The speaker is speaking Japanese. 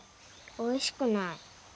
おいしくない。